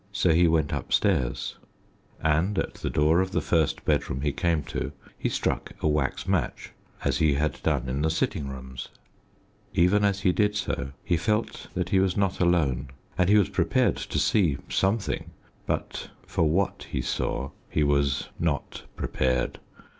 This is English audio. So he went upstairs, and at the door of the first bedroom he came to he struck a wax match, as he had done in the sitting rooms. Even as he did so he felt that he was not alone. And he was prepared to see something; but for what he saw he was not prepared.